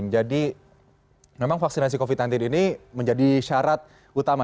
jadi memang vaksinasi covid sembilan belas ini menjadi syarat utama